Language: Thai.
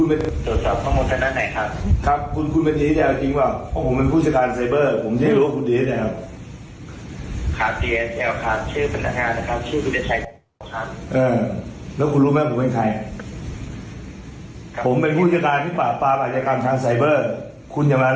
เอ้าไม่ใช่สิอย่าเข้าลึกเห็นไหม